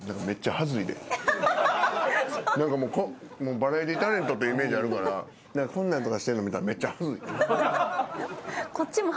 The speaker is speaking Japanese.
バラエティータレントってイメージあるからこんなんとかしてるの見たらめっちゃ恥ずい。